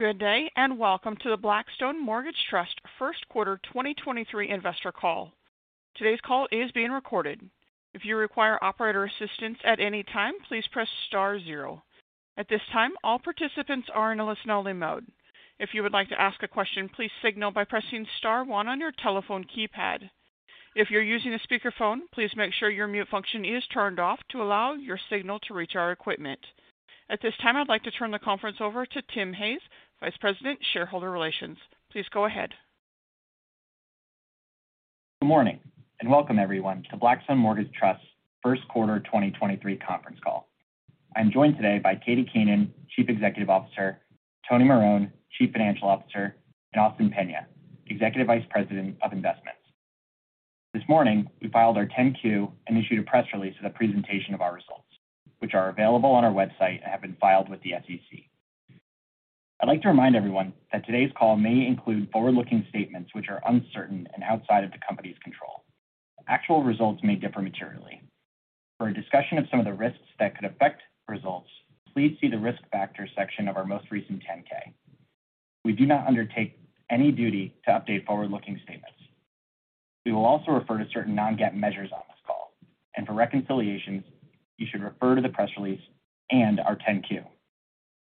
Good day, welcome to the Blackstone Mortgage Trust Q1 2023 Investor Call. Today's call is being recorded. If you require operator assistance at any time, please press star zero. At this time, all participants are in a listen-only mode. If you would like to ask a question, please signal by pressing star one on your telephone keypad. If you're using a speakerphone, please make sure your mute function is turned off to allow your signal to reach our equipment. At this time, I'd like to turn the conference over to Tim Hayes, Vice President, Shareholder Relations. Please go ahead. Good morning, and welcome everyone to Blackstone Mortgage Trust Q1 2023 conference call. I'm joined today by Katie Keenan, Chief Executive Officer, Tony Marrone, Chief Financial Officer, and Austin Peña, Executive Vice President of Investments. This morning, we filed our 10-Q and issued a press release of the presentation of our results, which are available on our website and have been filed with the SEC. I'd like to remind everyone that today's call may include forward-looking statements which are uncertain and outside of the company's control. Actual results may differ materially. For a discussion of some of the risks that could affect results, please see the Risk Factors section of our most recent 10-K. We do not undertake any duty to update forward-looking statements. We will also refer to certain non-GAAP measures on this call. For reconciliations, you should refer to the press release and our 10-Q.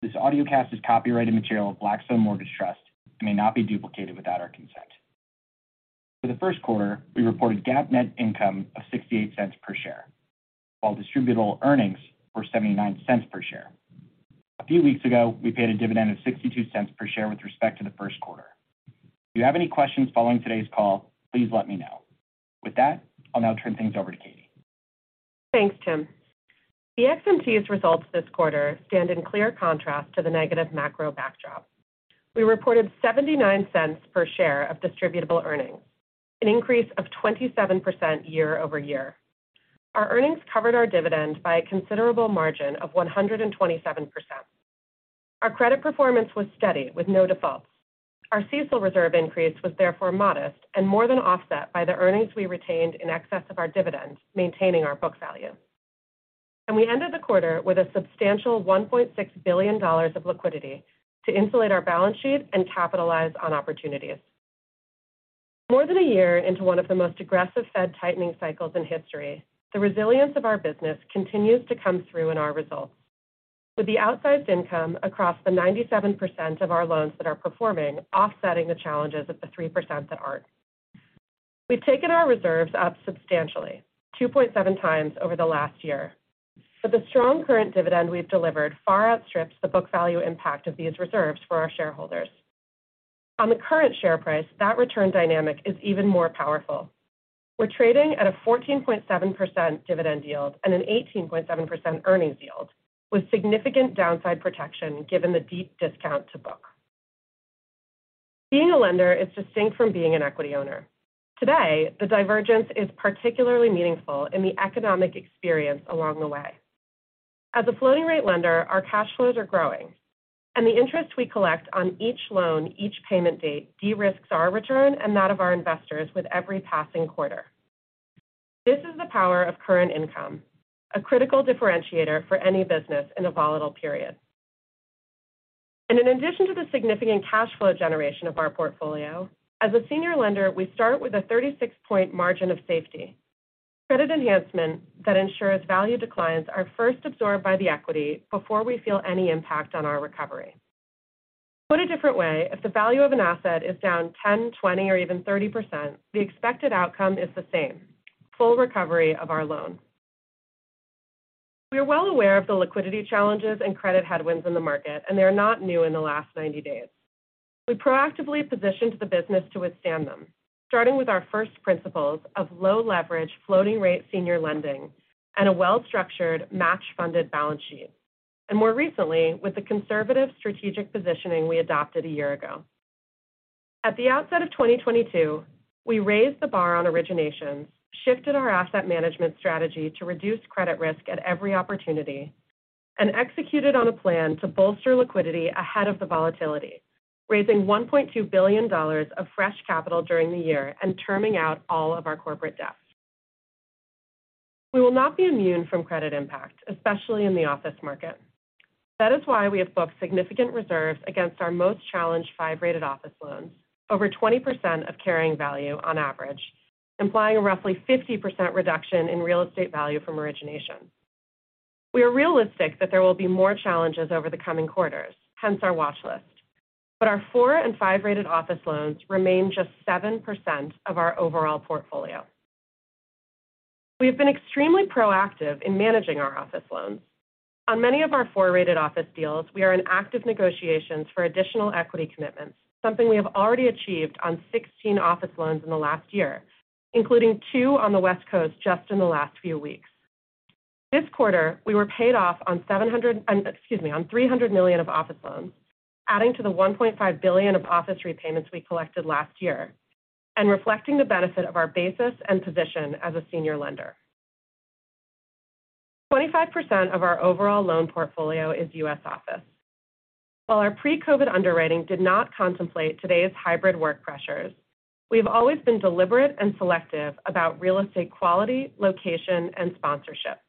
This audiocast is copyrighted material of Blackstone Mortgage Trust and may not be duplicated without our consent. For the Q1, we reported GAAP net income of $0.68 per share, while distributable earnings were $0.79 per share. A few weeks ago, we paid a dividend of $0.62 per share with respect to the Q1. If you have any questions following today's call, please let me know. With that, I'll now turn things over to Katie. Thanks, Tim. BXMT's results this quarter stand in clear contrast to the negative macro backdrop. We reported $0.79 per share of distributable earnings, an increase of 27% year-over-year. Our earnings covered our dividend by a considerable margin of 127%. Our credit performance was steady with no defaults. Our CECL reserve increase was therefore modest and more than offset by the earnings we retained in excess of our dividends, maintaining our book value. We ended the quarter with a substantial $1.6 billion of liquidity to insulate our balance sheet and capitalize on opportunities. More than a year into one of the most aggressive Fed tightening cycles in history, the resilience of our business continues to come through in our results, with the outsized income across the 97% of our loans that are performing offsetting the challenges of the 3% that aren't. We've taken our reserves up substantially, 2.7 times over the last year. The strong current dividend we've delivered far outstrips the book value impact of these reserves for our shareholders. On the current share price, that return dynamic is even more powerful. We're trading at a 14.7% dividend yield and an 18.7% earnings yield, with significant downside protection given the deep discount to book. Being a lender is distinct from being an equity owner. Today, the divergence is particularly meaningful in the economic experience along the way. As a floating rate lender, our cash flows are growing, and the interest we collect on each loan, each payment date de-risks our return and that of our investors with every passing quarter. This is the power of current income, a critical differentiator for any business in a volatile period. In addition to the significant cash flow generation of our portfolio, as a senior lender, we start with a 36-point margin of safety. Credit enhancement that ensures value declines are first absorbed by the equity before we feel any impact on our recovery. Put a different way, if the value of an asset is down 10%, 20%, or even 30%, the expected outcome is the same, full recovery of our loan. We are well aware of the liquidity challenges and credit headwinds in the market, and they are not new in the last 90 days. We proactively positioned the business to withstand them, starting with our first principles of low leverage floating rate senior lending and a well-structured match funded balance sheet. More recently, with the conservative strategic positioning we adopted a year ago. At the outset of 2022, we raised the bar on originations, shifted our asset management strategy to reduce credit risk at every opportunity, and executed on a plan to bolster liquidity ahead of the volatility, raising $1.2 billion of fresh capital during the year and terming out all of our corporate debts. We will not be immune from credit impact, especially in the office market. That is why we have booked significant reserves against our most challenged five-rated office loans, over 20% of carrying value on average, implying a roughly 50% reduction in real estate value from origination. We are realistic that there will be more challenges over the coming quarters, hence our watch list. Our four and five-rated office loans remain just 7% of our overall portfolio. We have been extremely proactive in managing our office loans. On many of our four-rated office deals, we are in active negotiations for additional equity commitments, something we have already achieved on 16 office loans in the last year, including two on the West Coast just in the last few weeks. This quarter, we were paid off on excuse me, on $300 million of office loans, adding to the $1.5 billion of office repayments we collected last year, and reflecting the benefit of our basis and position as a senior lender. 25% of our overall loan portfolio is U.S. office. While our pre-COVID underwriting did not contemplate today's hybrid work pressures, we have always been deliberate and selective about real estate quality, location, and sponsorship.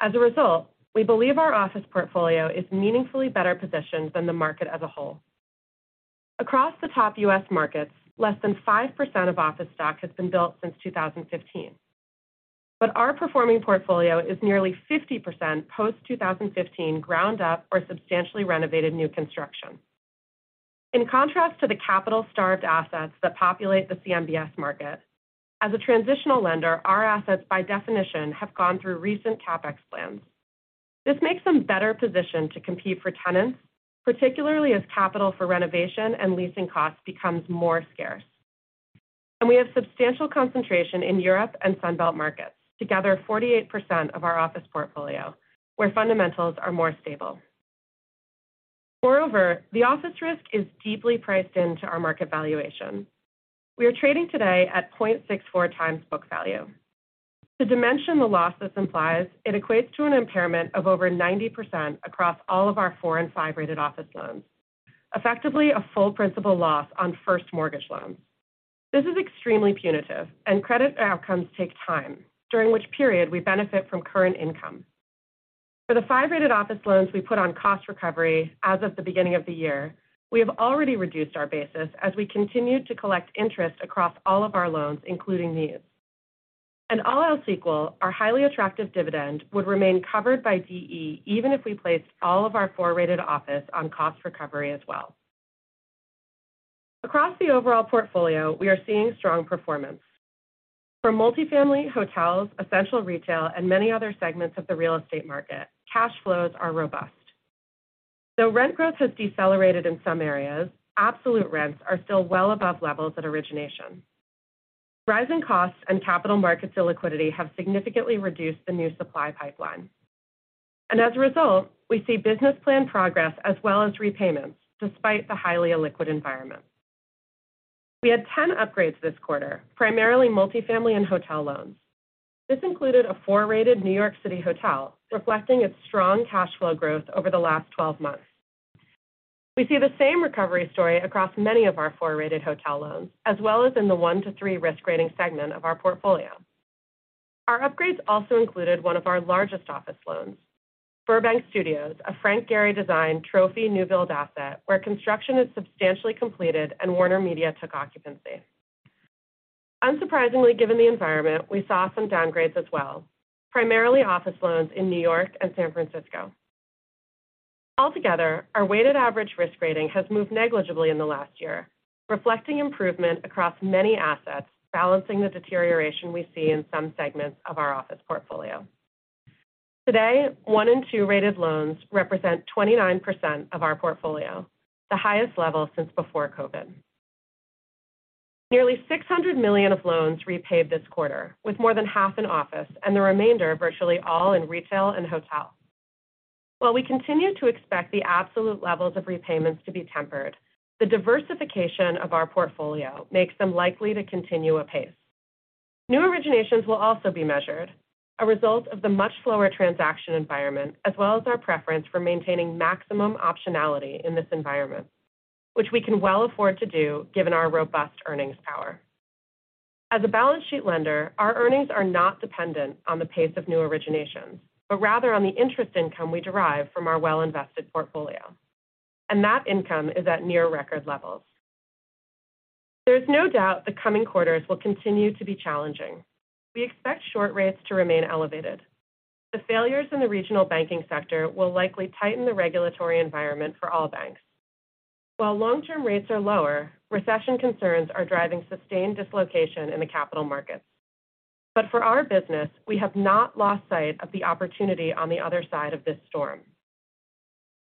As a result, we believe our office portfolio is meaningfully better positioned than the market as a whole. Across the top U.S. markets, less than 5% of office stock has been built since 2015. Our performing portfolio is nearly 50% post 2015 ground up or substantially renovated new construction. In contrast to the capital-starved assets that populate the CMBS market, as a transitional lender, our assets by definition have gone through recent CapEx plans. This makes them better positioned to compete for tenants, particularly as capital for renovation and leasing costs becomes more scarce. We have substantial concentration in Europe and Sun Belt markets, together 48% of our office portfolio, where fundamentals are more stable. Moreover, the office risk is deeply priced into our market valuation. We are trading today at 0.64x book value. To dimension the losses implies it equates to an impairment of over 90% across all of our four- and five-rated office loans, effectively a full principal loss on first mortgage loans. This is extremely punitive and credit outcomes take time, during which period we benefit from current income. For the five-rated office loans we put on cost recovery as of the beginning of the year, we have already reduced our basis as we continue to collect interest across all of our loans, including these. All else equal, our highly attractive dividend would remain covered by DE even if we placed all of our four-rated office on cost recovery as well. Across the overall portfolio, we are seeing strong performance. For multifamily hotels, essential retail and many other segments of the real estate market, cash flows are robust. Though rent growth has decelerated in some areas, absolute rents are still well above levels at origination. Rising costs and capital markets illiquidity have significantly reduced the new supply pipeline. As a result, we see business plan progress as well as repayments despite the highly illiquid environment. We had 10 upgrades this quarter, primarily multifamily and hotel loans. This included a four-rated New York City hotel, reflecting its strong cash flow growth over the last 12 months. We see the same recovery story across many of our four-rated hotel loans, as well as in the one to three risk rating segment of our portfolio. Our upgrades also included one of our largest office loans, Burbank Studios, a Frank Gehry design trophy new build asset, where construction is substantially completed and WarnerMedia took occupancy. Unsurprisingly, given the environment, we saw some downgrades as well, primarily office loans in New York and San Francisco. Altogether, our weighted average risk rating has moved negligibly in the last year, reflecting improvement across many assets, balancing the deterioration we see in some segments of our office portfolio. Today, one and two rated loans represent 29% of our portfolio, the highest level since before COVID. Nearly $600 million of loans repaid this quarter, with more than half in office and the remainder virtually all in retail and hotel. While we continue to expect the absolute levels of repayments to be tempered, the diversification of our portfolio makes them likely to continue apace. New originations will also be measured, a result of the much slower transaction environment, as well as our preference for maintaining maximum optionality in this environment, which we can well afford to do given our robust earnings power. As a balance sheet lender, our earnings are not dependent on the pace of new originations, but rather on the interest income we derive from our well-invested portfolio. That income is at near record levels. There's no doubt the coming quarters will continue to be challenging. We expect short rates to remain elevated. The failures in the regional banking sector will likely tighten the regulatory environment for all banks. While long-term rates are lower, recession concerns are driving sustained dislocation in the capital markets. For our business, we have not lost sight of the opportunity on the other side of this storm.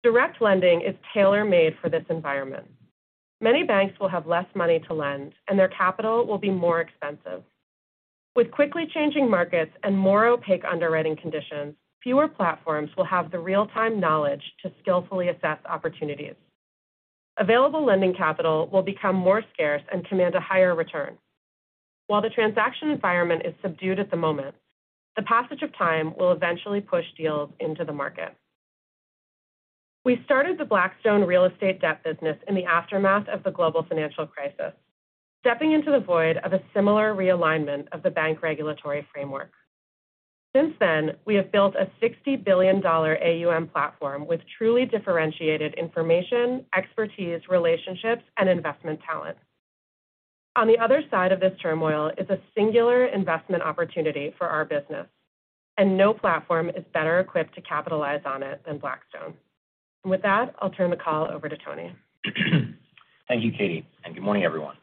Direct lending is tailor-made for this environment. Many banks will have less money to lend, and their capital will be more expensive. With quickly changing markets and more opaque underwriting conditions, fewer platforms will have the real-time knowledge to skillfully assess opportunities. Available lending capital will become more scarce and command a higher return. While the transaction environment is subdued at the moment, the passage of time will eventually push deals into the market. We started the Blackstone Real Estate Debt business in the aftermath of the global financial crisis, stepping into the void of a similar realignment of the bank regulatory framework. Since then, we have built a $60 billion AUM platform with truly differentiated information, expertise, relationships, and investment talent. On the other side of this turmoil is a singular investment opportunity for our business, and no platform is better equipped to capitalize on it than Blackstone. With that, I'll turn the call over to Tony. Thank you, Katie. Good morning, everyone.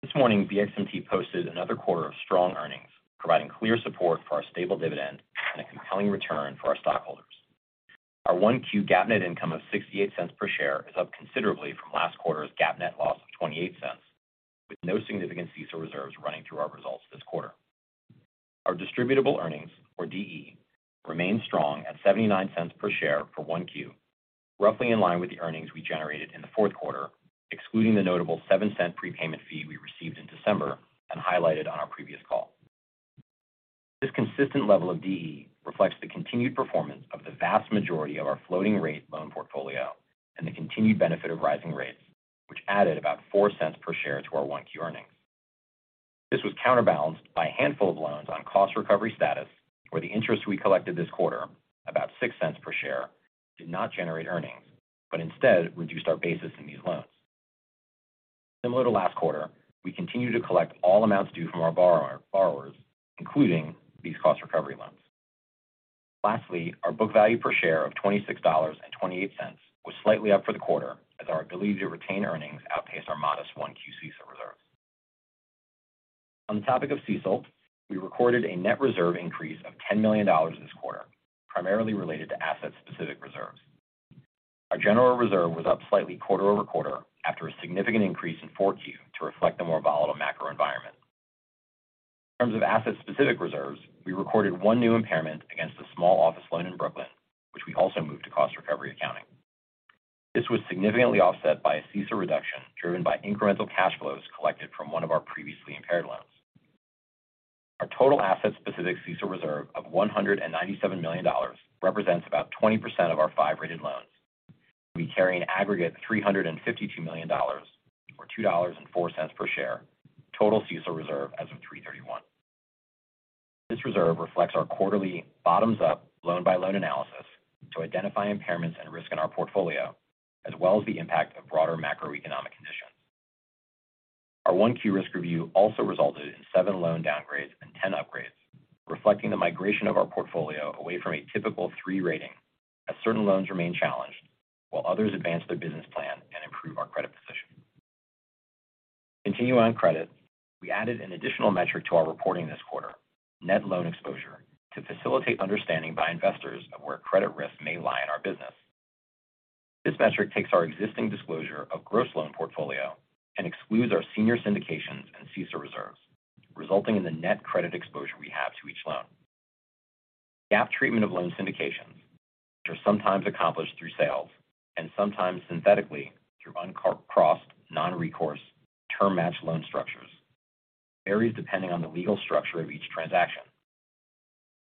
This morning, BXMT posted another quarter of strong earnings, providing clear support for our stable dividend and a compelling return for our stockholders. Our Q1 GAAP net income of $0.68 per share is up considerably from last quarter's GAAP net loss of $0.28, with no significant CECL reserves running through our results this quarter. Our distributable earnings, or DE, remain strong at $0.79 per share for Q1, roughly in line with the earnings we generated in the Q4, excluding the notable $0.07 prepayment fee we received in December and highlighted on our previous call. This consistent level of DE reflects the continued performance of the vast majority of our floating rate loan portfolio and the continued benefit of rising rates, which added about $0.04 per share to our Q1 earnings. This was counterbalanced by a handful of loans on cost recovery status where the interest we collected this quarter, about $0.06 per share, did not generate earnings, but instead reduced our basis in these loans. Similar to last quarter, we continue to collect all amounts due from our borrowers, including these cost recovery loans. Our book value per share of $26.28 was slightly up for the quarter as our believed retained earnings outpaced our modest 1Q CECL reserve. On the topic of CECL, we recorded a net reserve increase of $10 million this quarter, primarily related to asset-specific reserves. Our general reserve was up slightly quarter-over-quarter after a significant increase in Q4 to reflect the more volatile macro environment. In terms of asset-specific reserves, we recorded 1 new impairment against a small office loan in Brooklyn, which we also moved to cost recovery accounting. This was significantly offset by a CECL reduction driven by incremental cash flows collected from one of our previously impaired loans. Our total asset-specific CECL reserve of $197 million represents about 20% of our five rated loans. We carry an aggregate $352 million or $2.04 per share total CECL reserve as of 3/31. This reserve reflects our quarterly bottoms up loan by loan analysis to identify impairments and risk in our portfolio, as well as the impact of broader macroeconomic conditions. Our Q1 risk review also resulted in seven loan downgrades and 10 upgrades, reflecting the migration of our portfolio away from a typical three rating as certain loans remain challenged while others advance their business plan and improve our credit position. Continuing on credit, we added an additional metric to our reporting this quarter, net loan exposure, to facilitate understanding by investors of where credit risk may lie in our business. This metric takes our existing disclosure of gross loan portfolio and excludes our senior syndications and CECL reserves, resulting in the net credit exposure we have to each loan. GAAP treatment of loan syndications, which are sometimes accomplished through sales and sometimes synthetically through uncrossed non-recourse term match loan structures, varies depending on the legal structure of each transaction.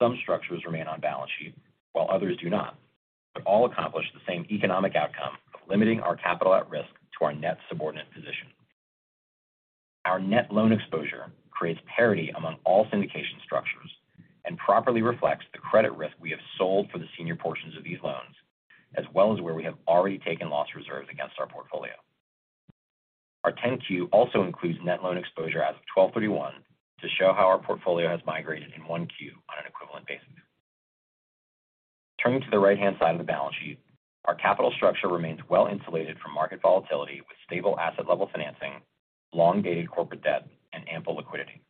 Some structures remain on balance sheet while others do not, but all accomplish the same economic outcome of limiting our capital at risk to our net subordinate position. Our net loan exposure creates parity among all syndication structures and properly reflects the credit risk we have sold for the senior portions of these loans, as well as where we have already taken loss reserves against our portfolio. Our 10-Q also includes net loan exposure as of 12/31 to show how our portfolio has migrated in Q1 on an equivalent basis. Turning to the right-hand side of the balance sheet, our capital structure remains well insulated from market volatility with stable asset level financing, long-dated corporate debt, and ample liquidity.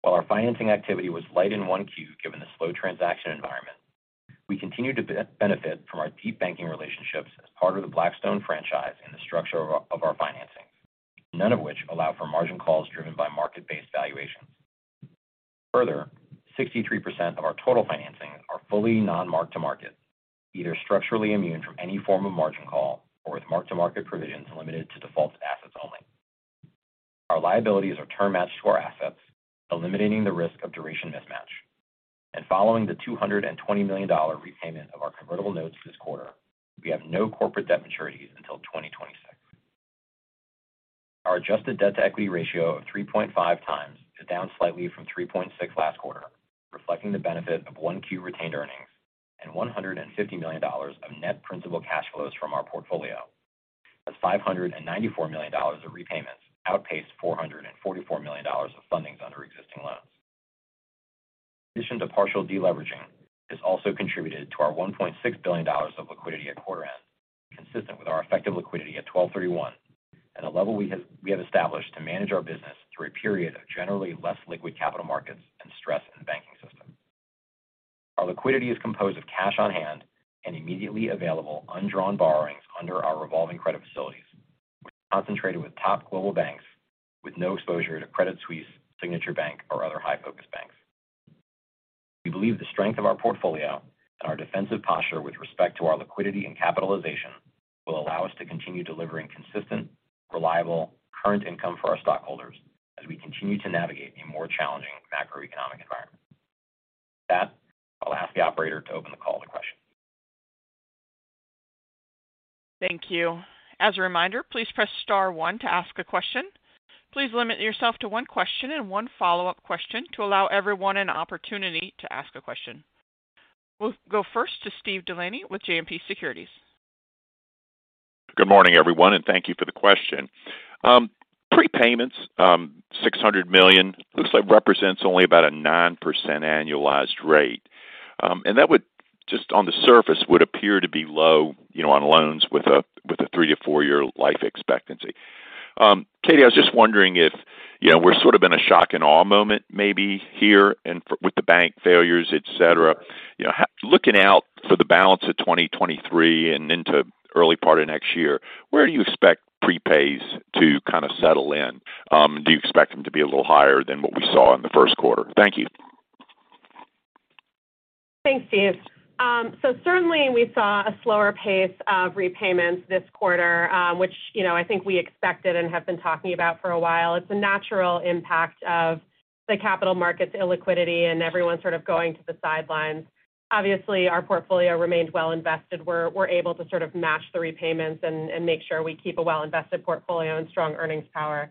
While our financing activity was light in 1Q given the slow transaction environment, we continue to benefit from our deep banking relationships as part of the Blackstone franchise and the structure of our financing, none of which allow for margin calls driven by market-based valuations. Further, 63% of our total financing are fully non-mark-to-market, either structurally immune from any form of margin call or with mark-to-market provisions limited to default assets only. Our liabilities are term matched to our assets, eliminating the risk of duration mismatch. Following the $220 million repayment of our convertible notes this quarter, we have no corporate debt maturities until 2026. Our adjusted debt-to-equity ratio of 3.5x is down slightly from 3.6 last quarter, reflecting the benefit of Q1 retained earnings and $150 million of net principal cash flows from our portfolio as $594 million of repayments outpaced $444 million of fundings under existing loans. In addition to partial de-leveraging, this also contributed to our $1.6 billion of liquidity at quarter end, consistent with our effective liquidity at 12/31 at a level we have established to manage our business through a period of generally less liquid capital markets and stress in the banking system. Our liquidity is composed of cash on hand and immediately available undrawn borrowings under our revolving credit facilities, which are concentrated with top global banks with no exposure to Credit Suisse, Signature Bank, or other high focus banks. We believe the strength of our portfolio and our defensive posture with respect to our liquidity and capitalization will allow us to continue delivering consistent, reliable current income for our stockholders as we continue to navigate a more challenging macroeconomic environment. With that, I'll ask the operator to open the call to questions. Thank you. As a reminder, please press star one to ask a question. Please limit yourself to one question and one follow-up question to allow everyone an opportunity to ask a question. We'll go first to Steve DeLaney with JMP Securities. Good morning, everyone, and thank you for the question. Prepayments, $600 million looks like represents only about a 9% annualized rate. That would just on the surface would appear to be low, you know, on loans with a three to four year life expectancy. Katie, I was just wondering if, you know, we're sort of in a shock and awe moment maybe here with the bank failures, et cetera. Looking out for the balance of 2023 and into early part of next year, where do you expect prepays to kind of settle in? Do you expect them to be a little higher than what we saw in the Q1? Thank you. Thanks, Steve. certainly we saw a slower pace of repayments this quarter, which, you know, I think we expected and have been talking about for a while. It's a natural impact of The capital markets, illiquidity, and everyone sort of going to the sidelines. Obviously, our portfolio remains well invested. We're able to sort of match the repayments and make sure we keep a well-invested portfolio and strong earnings power.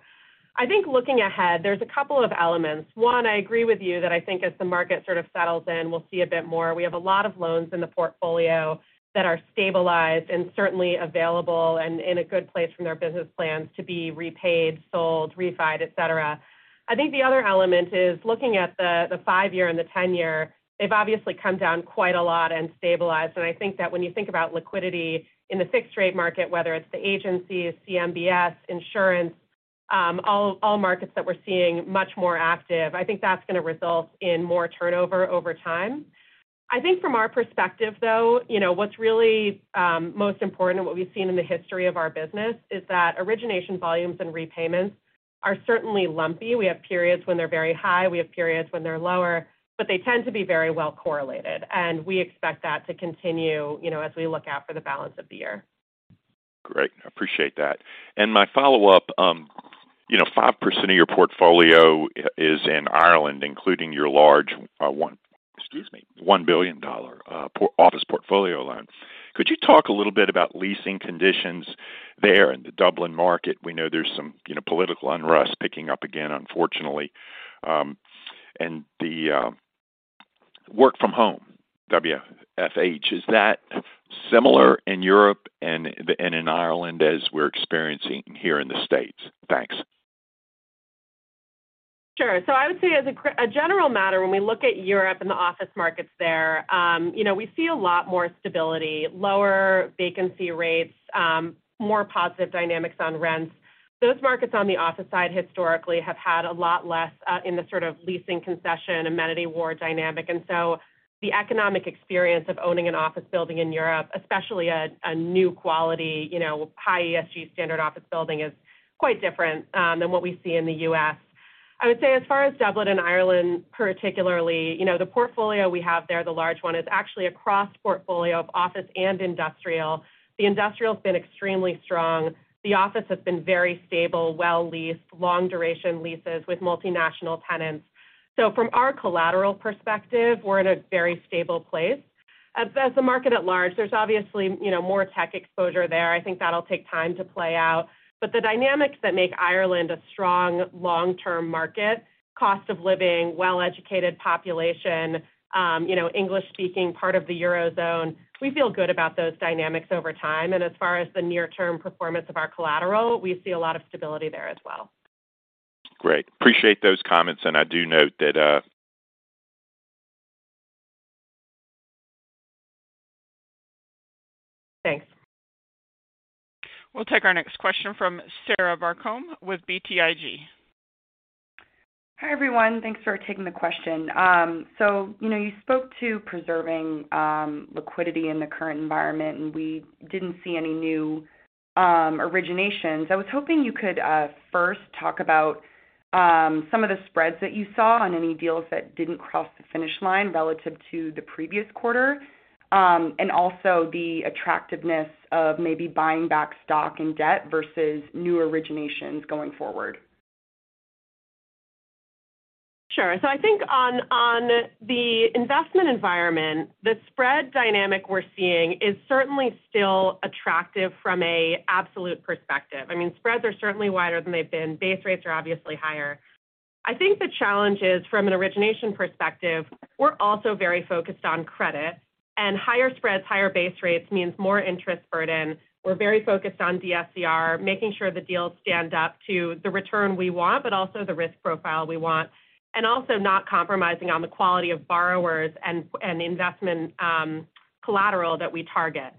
I think looking ahead, there's a couple of elements. One, I agree with you that I think as the market sort of settles in, we'll see a bit more. We have a lot of loans in the portfolio that are stabilized and certainly available and in a good place from their business plans to be repaid, sold, refied, et cetera. I think the other element is looking at the five-year and the 10-year, they've obviously come down quite a lot and stabilized. I think that when you think about liquidity in the fixed rate market, whether it's the agencies, CMBS, insurance, all markets that we're seeing much more active, I think that's going to result in more turnover over time. I think from our perspective, though, you know, what's really most important and what we've seen in the history of our business is that origination volumes and repayments are certainly lumpy. We have periods when they're very high, we have periods when they're lower, but they tend to be very well correlated, and we expect that to continue, you know, as we look out for the balance of the year. Great. I appreciate that. My follow-up, you know, 5% of your portfolio is in Ireland, including your large $1 billion office portfolio loan. Could you talk a little bit about leasing conditions there in the Dublin market? We know there's some, you know, political unrest picking up again, unfortunately. The work from home, WFH, is that similar in Europe and in Ireland as we're experiencing here in the States? Thanks. Sure. I would say as a general matter, when we look at Europe and the office markets there, you know, we see a lot more stability, lower vacancy rates, more positive dynamics on rents. Those markets on the office side historically have had a lot less in the sort of leasing concession, amenity war dynamic. The economic experience of owning an office building in Europe, especially a new quality, you know, high ESG standard office building is quite different than what we see in the U.S. I would say as far as Dublin and Ireland particularly, you know, the portfolio we have there, the large one, is actually a cross portfolio of office and industrial. The industrial has been extremely strong. The office has been very stable, well leased, long duration leases with multinational tenants. From our collateral perspective, we're in a very stable place. As the market at large, there's obviously, you know, more tech exposure there. I think that'll take time to play out. The dynamics that make Ireland a strong long-term market, cost of living, well-educated population, you know, English speaking, part of the Eurozone, we feel good about those dynamics over time. As far as the near-term performance of our collateral, we see a lot of stability there as well. Great. Appreciate those comments. I do note that. Thanks. We'll take our next question from Sarah Barcomb with BTIG. Hi, everyone. Thanks for taking the question. You know, you spoke to preserving liquidity in the current environment, and we didn't see any new originations. I was hoping you could first talk about some of the spreads that you saw on any deals that didn't cross the finish line relative to the previous quarter, and also the attractiveness of maybe buying back stock and debt versus new originations going forward. Sure. I think on the investment environment, the spread dynamic we're seeing is certainly still attractive from a absolute perspective. I mean, spreads are certainly wider than they've been. Base rates are obviously higher. I think the challenge is from an origination perspective, we're also very focused on credit and higher spreads, higher base rates means more interest burden. We're very focused on DSCR, making sure the deals stand up to the return we want, but also the risk profile we want, and also not compromising on the quality of borrowers and investment collateral that we target.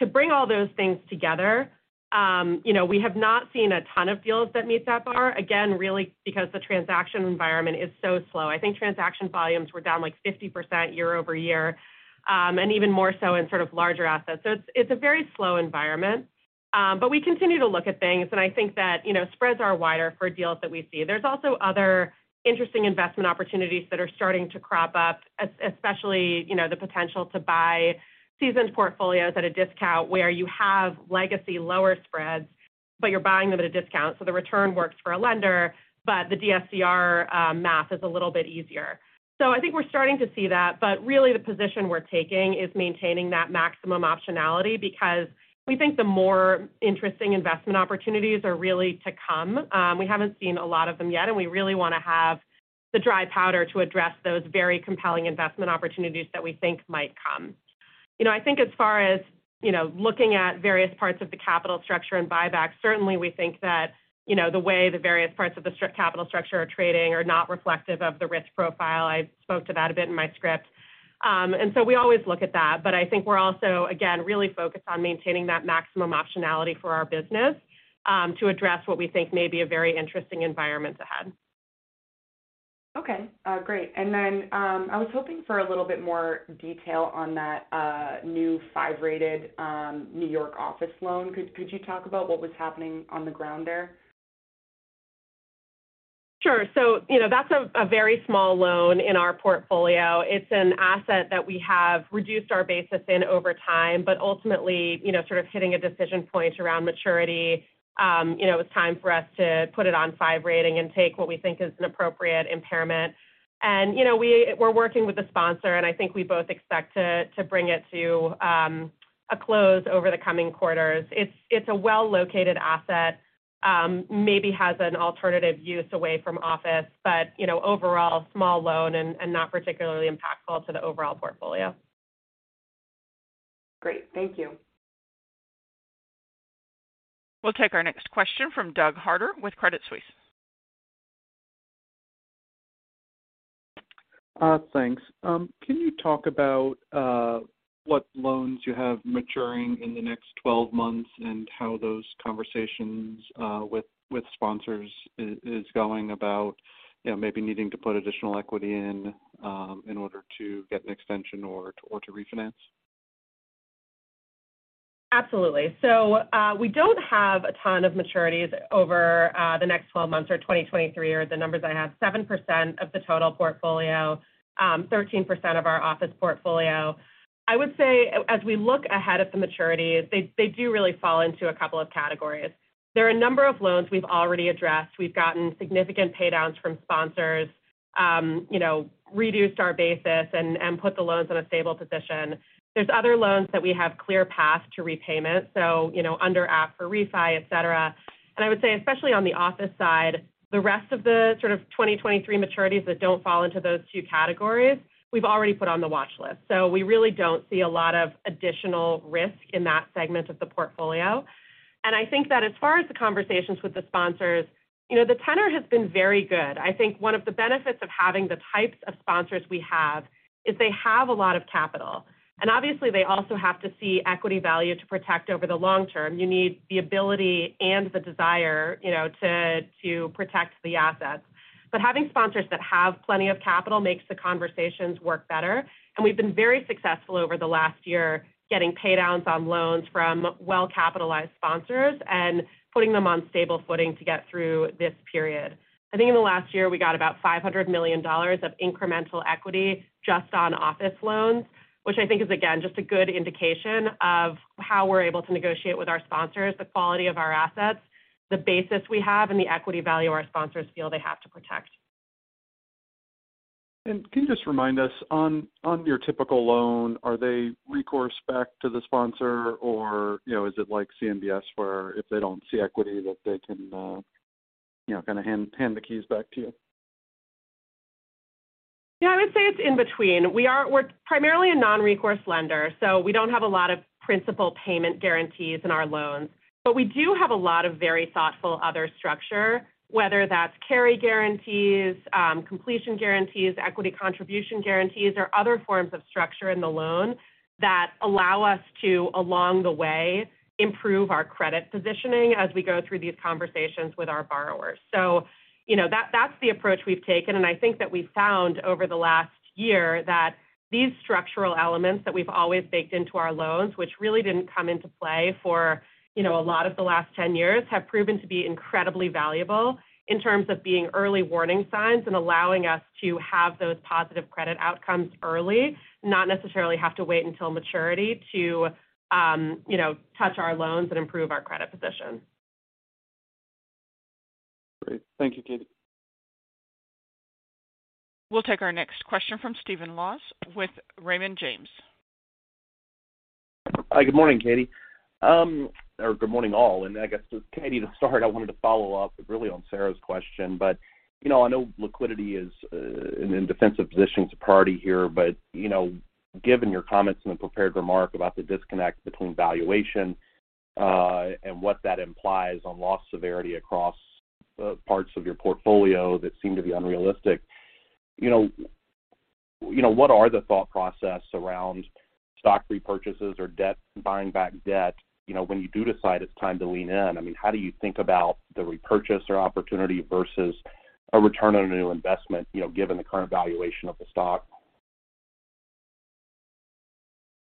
To bring all those things together, you know, we have not seen a ton of deals that meet that bar. Again, really because the transaction environment is so slow. I think transaction volumes were down, like, 50% year-over-year, and even more so in sort of larger assets. It's a very slow environment. We continue to look at things, and I think that, you know, spreads are wider for deals that we see. There's also other interesting investment opportunities that are starting to crop up, especially, you know, the potential to buy seasoned portfolios at a discount where you have legacy lower spreads, but you're buying them at a discount. The return works for a lender, but the DSCR math is a little bit easier. I think we're starting to see that, but really the position we're taking is maintaining that maximum optionality because we think the more interesting investment opportunities are really to come. We haven't seen a lot of them yet, and we really wanna have the dry powder to address those very compelling investment opportunities that we think might come. You know, I think as far as, you know, looking at various parts of the capital structure and buyback, certainly we think that, you know, the way the various parts of the capital structure are trading are not reflective of the risk profile. I spoke to that a bit in my script. We always look at that. I think we're also, again, really focused on maintaining that maximum optionality for our business to address what we think may be a very interesting environment ahead. Okay. great. I was hoping for a little bit more detail on that new five-rated New York office loan. Could you talk about what was happening on the ground there? Sure. You know, that's a very small loan in our portfolio. It's an asset that we have reduced our basis in over time, but ultimately, you know, sort of hitting a decision point around maturity. You know, it was time for us to put it on five rating and take what we think is an appropriate impairment. You know, we're working with the sponsor, and I think we both expect to bring it to a close over the coming quarters. It's a well-located asset, maybe has an alternative use away from office, but, you know, overall, small loan and not particularly impactful to the overall portfolio. Great. Thank you. We'll take our next question from Doug Harter with Credit Suisse. Thanks. Can you talk about what loans you have maturing in the next 12 months and how those conversations with sponsors is going about, you know, maybe needing to put additional equity in in order to get an extension or to refinance? Absolutely. We don't have a ton of maturities over the next 12 months or 2023 are the numbers I have. 7% of the total portfolio, 13% of our office portfolio. I would say as we look ahead at the maturities, they do really fall into a couple of categories. There are a number of loans we've already addressed. We've gotten significant paydowns from sponsors, you know, reduced our basis and put the loans in a stable position. There's other loans that we have clear path to repayment, so, you know, under app for Refi, et cetera. I would say, especially on the office side, the rest of the sort of 2023 maturities that don't fall into those two categories, we've already put on the watch list. We really don't see a lot of additional risk in that segment of the portfolio. I think that as far as the conversations with the sponsors, you know, the tenor has been very good. I think one of the benefits of having the types of sponsors we have is they have a lot of capital. Obviously, they also have to see equity value to protect over the long term. You need the ability and the desire, you know, to protect the assets. Having sponsors that have plenty of capital makes the conversations work better, and we've been very successful over the last year getting paydowns on loans from well-capitalized sponsors and putting them on stable footing to get through this period. I think in the last year, we got about $500 million of incremental equity just on office loans, which I think is, again, just a good indication of how we're able to negotiate with our sponsors, the quality of our assets, the basis we have, and the equity value our sponsors feel they have to protect. Can you just remind us on your typical loan, are they recourse back to the sponsor or, you know, is it like CMBS where if they don't see equity that they can, you know, kinda hand the keys back to you? I would say it's in between. We're primarily a non-recourse lender, so we don't have a lot of principal payment guarantees in our loans. We do have a lot of very thoughtful other structure, whether that's carry guarantees, completion guarantees, equity contribution guarantees, or other forms of structure in the loan that allow us to, along the way, improve our credit positioning as we go through these conversations with our borrowers. You know, that's the approach we've taken, and I think that we found over the last year that these structural elements that we've always baked into our loans, which really didn't come into play for, you know, a lot of the last 10 years, have proven to be incredibly valuable in terms of being early warning signs and allowing us to have those positive credit outcomes early, not necessarily have to wait until maturity to, you know, touch our loans and improve our credit position. Great. Thank you, Katie. We'll take our next question from Stephen Laws with Raymond James. Hi. Good morning, Katie. Or good morning, all. I guess to Katie to start, I wanted to follow up really on Sarah's question. You know, I know liquidity is in a defensive position to party here, but, you know, given your comments in the prepared remark about the disconnect between valuation and what that implies on loss severity across parts of your portfolio that seem to be unrealistic, you know, what are the thought process around stock repurchases or buying back debt, you know, when you do decide it's time to lean in? I mean, how do you think about the repurchase or opportunity versus a return on a new investment, you know, given the current valuation of the stock?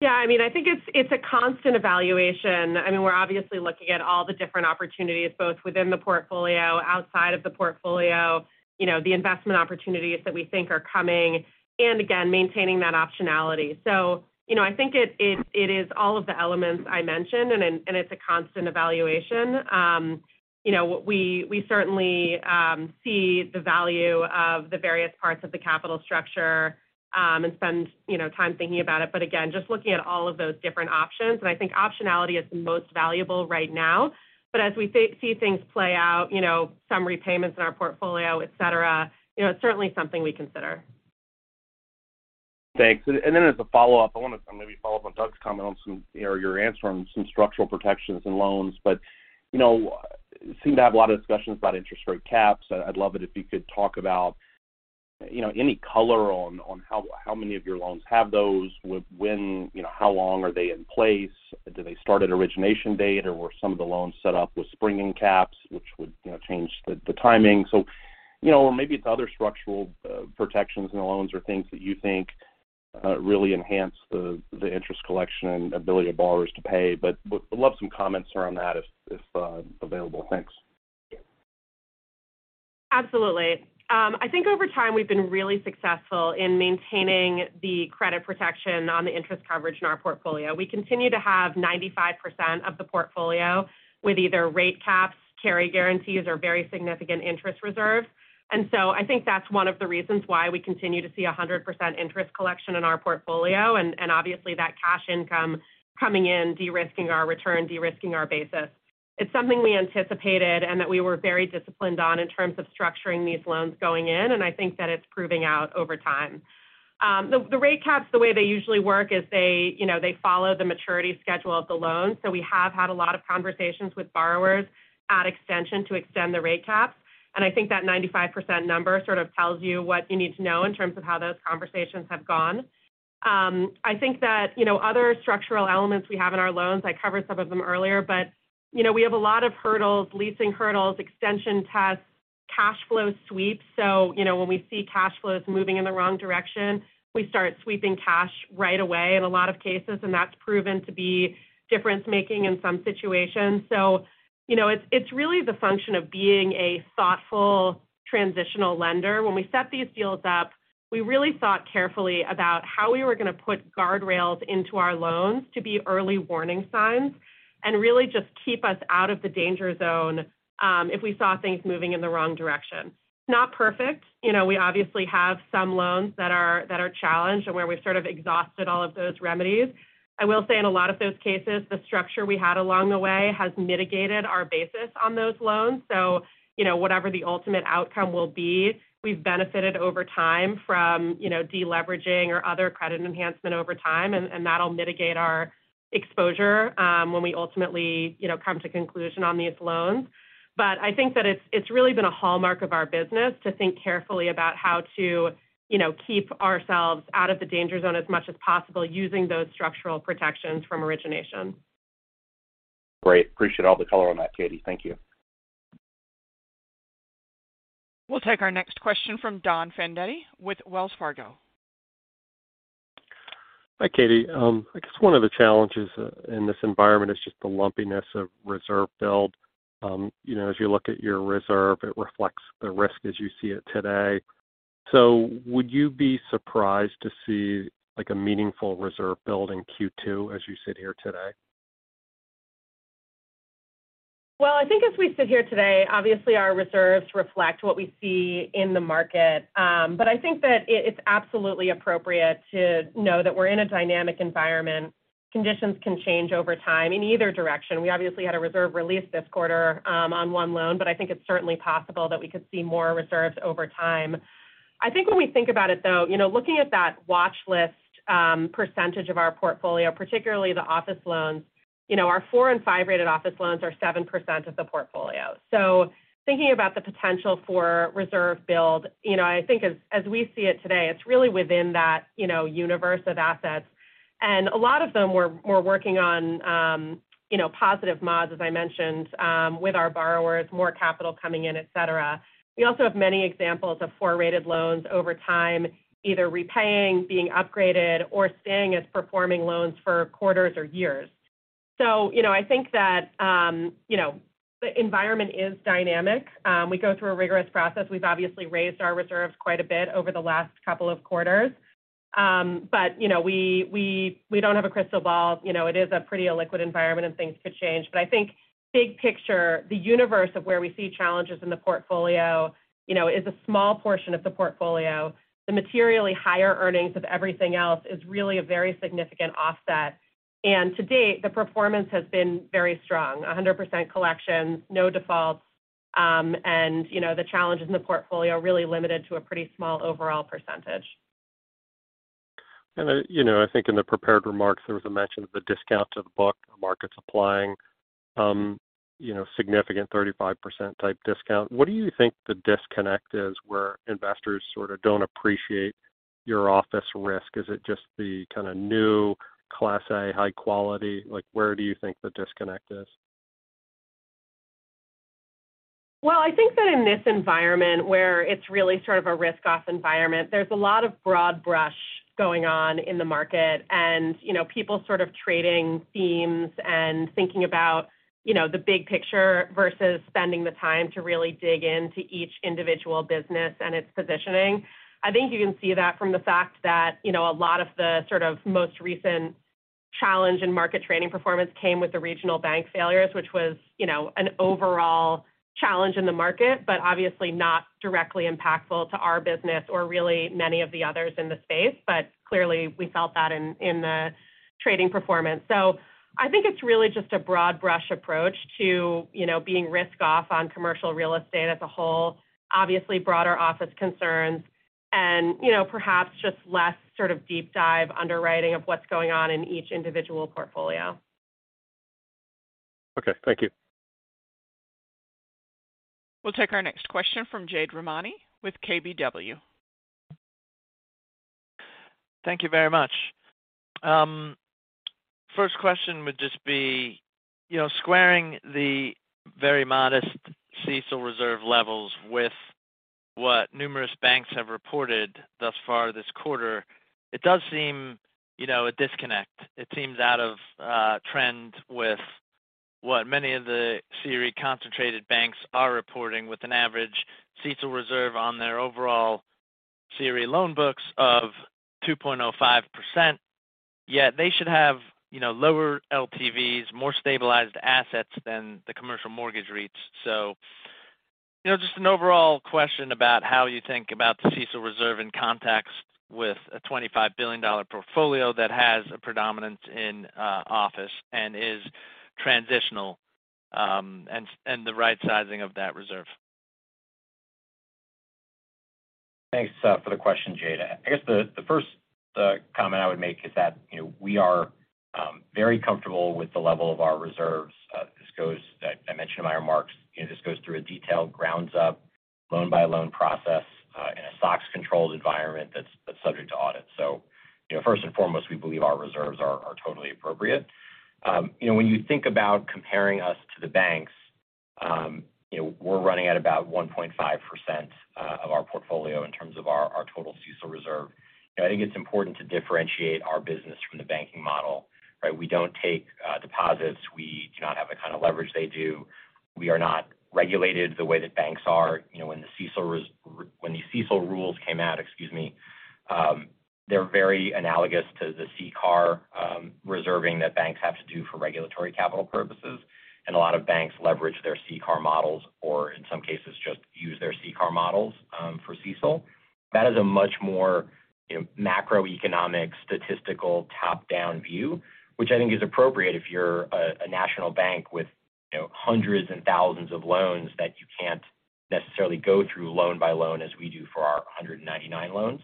Yeah. I mean, I think it's a constant evaluation. I mean, we're obviously looking at all the different opportunities, both within the portfolio, outside of the portfolio, you know, the investment opportunities that we think are coming, and again, maintaining that optionality. You know, I think it, it is all of the elements I mentioned and it, and it's a constant evaluation. You know, we certainly, see the value of the various parts of the capital structure, and spend, you know, time thinking about it. Again, just looking at all of those different options, and I think optionality is the most valuable right now. As we see things play out, you know, some repayments in our portfolio, et cetera, you know, it's certainly something we consider. Thanks. As a follow-up, I wanna maybe follow up on Doug's comment on some, you know, your answer on some structural protections and loans. You know, seem to have a lot of discussions about interest rate caps. I'd love it if you could talk about, you know, any color on how many of your loans have those? You know, how long are they in place? Do they start at origination date, or were some of the loans set up with springing caps, which would, you know, change the timing? You know, or maybe it's other structural protections in the loans or things that you think really enhance the interest collection and ability of borrowers to pay. Would love some comments around that if available. Thanks. Absolutely. I think over time, we've been really successful in maintaining the credit protection on the interest coverage in our portfolio. We continue to have 95% of the portfolio with either rate caps, carry guarantees, or very significant interest reserves. I think that's one of the reasons why we continue to see 100% interest collection in our portfolio and obviously that cash income coming in, de-risking our return, de-risking our basis. It's something we anticipated and that we were very disciplined on in terms of structuring these loans going in, and I think that it's proving out over time. The rate caps, the way they usually work is they, you know, they follow the maturity schedule of the loan. We have had a lot of conversations with borrowers at extension to extend the rate caps. I think that 95% number sort of tells you what you need to know in terms of how those conversations have gone. I think that, you know, other structural elements we have in our loans, I covered some of them earlier, but, you know, we have a lot of hurdles, leasing hurdles, extension tests, cash flow sweeps. You know, when we see cash flows moving in the wrong direction, we start sweeping cash right away in a lot of cases, and that's proven to be difference-making in some situations. You know, it's really the function of being a thoughtful transitional lender. When we set these deals up, we really thought carefully about how we were gonna put guardrails into our loans to be early warning signs and really just keep us out of the danger zone if we saw things moving in the wrong direction. Not perfect. You know, we obviously have some loans that are challenged and where we've sort of exhausted all of those remedies. I will say in a lot of those cases, the structure we had along the way has mitigated our basis on those loans. Whatever the ultimate outcome will be, we've benefited over time from, you know, de-leveraging or other credit enhancement over time, and that'll mitigate our exposure when we ultimately, you know, come to conclusion on these loans. I think that it's really been a hallmark of our business to think carefully about how to, you know, keep ourselves out of the danger zone as much as possible using those structural protections from origination. Great. Appreciate all the color on that, Katie. Thank you. We'll take our next question from Don Fandetti with Wells Fargo. Hi, Katie. I guess one of the challenges in this environment is just the lumpiness of reserve build. You know, as you look at your reserve, it reflects the risk as you see it today. Would you be surprised to see like a meaningful reserve build in Q2 as you sit here today? Well, I think as we sit here today, obviously our reserves reflect what we see in the market. I think that it's absolutely appropriate to know that we're in a dynamic environment. Conditions can change over time in either direction. We obviously had a reserve release this quarter, on one loan, but I think it's certainly possible that we could see more reserves over time. I think when we think about it, though, you know, looking at that watch list, percentage of our portfolio, particularly the office loans, you know, our four and five rated office loans are 7% of the portfolio. Thinking about the potential for reserve build, you know, I think as we see it today, it's really within that, you know, universe of assets. A lot of them we're working on, you know, positive mods, as I mentioned, with our borrowers, more capital coming in, et cetera. We also have many examples of four rated loans over time, either repaying, being upgraded, or staying as performing loans for quarters or years. You know, I think that, you know, the environment is dynamic. We go through a rigorous process. We've obviously raised our reserves quite a bit over the last couple of quarters. But, you know, we don't have a crystal ball. You know, it is a pretty illiquid environment and things could change. But I think big picture, the universe of where we see challenges in the portfolio, you know, is a small portion of the portfolio. The materially higher earnings of everything else is really a very significant offset. To date, the performance has been very strong. 100% collections, no defaults, and, you know, the challenges in the portfolio are really limited to a pretty small overall percentage. You know, I think in the prepared remarks, there was a mention of the discount to the book, the market's applying, you know, significant 35% type discount. What do you think the disconnect is where investors sort of don't appreciate your office risk? Is it just the kinda new Class A high quality? Like, where do you think the disconnect is? I think that in this environment where it's really sort of a risk-off environment, there's a lot of broad brush going on in the market and, you know, people sort of trading themes and thinking about, you know, the big picture versus spending the time to really dig into each individual business and its positioning. I think you can see that from the fact that, you know, a lot of the sort of most recent challenge in market trading performance came with the regional bank failures, which was, you know, an overall challenge in the market, but obviously not directly impactful to our business or really many of the others in the space. Clearly, we felt that in the trading performance. I think it's really just a broad brush approach to, you know, being risk off on commercial real estate as a whole, obviously broader office concerns and, you know, perhaps just less sort of deep dive underwriting of what's going on in each individual portfolio. Okay. Thank you. We'll take our next question from Jade Rahmani with KBW. Thank you very much. first question would just be, you know, squaring the very modest CECL reserve levels with what numerous banks have reported thus far this quarter, it does seem, you know, a disconnect. It seems out of trend with-What many of the CRE concentrated banks are reporting with an average CECL reserve on their overall CRE loan books of 2.05%, yet they should have, you know, lower LTVs, more stabilized assets than the commercial mortgage REITs. you know, just an overall question about how you think about the CECL reserve in context with a $25 billion portfolio that has a predominance in, office and is transitional, and the right sizing of that reserve. Thanks for the question, Jade. I guess the first comment I would make is that, you know, we are very comfortable with the level of our reserves. I mentioned in my remarks, you know, this goes through a detailed grounds up loan-by-loan process in a SOX-controlled environment that's subject to audit. First and foremost, we believe our reserves are totally appropriate. You know, when you think about comparing us to the banks, you know, we're running at about 1.5% of our portfolio in terms of our total CECL reserve. You know, I think it's important to differentiate our business from the banking model, right? We don't take deposits. We do not have the kind of leverage they do. We are not regulated the way that banks are. You know, when the CECL rules came out, excuse me, they're very analogous to the CCAR reserving that banks have to do for regulatory capital purposes. A lot of banks leverage their CCAR models, or in some cases, just use their CCAR models for CECL. That is a much more, you know, macroeconomic, statistical, top-down view, which I think is appropriate if you're a national bank with, you know, hundreds and thousands of loans that you can't necessarily go through loan by loan as we do for our 199 loans.